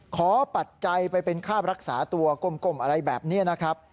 ปัจจัยไปเป็นค่ารักษาตัวกลมอะไรแบบนี้นะครับ